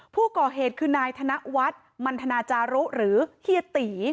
ผู้ก่อเหตุคือนายธนวัฒน์มันธนาจารุหรือเฮียตี